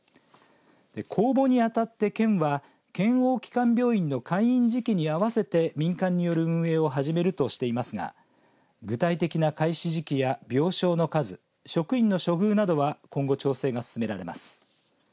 公募にあたって県は県央基幹病院の開院時期に合わせて民間による運営を始めるとしていますが具体的な開始時期や病床の数職員の処遇などは、今後調整が進められます。